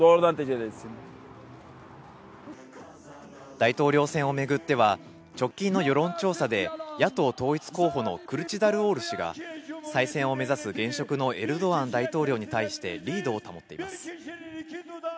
大統領選を巡っては、直近の世論調査で、野党統一候補のクルチダルオール氏が、再選を目指す現職のエルドアン大統領に対してリードを保っています。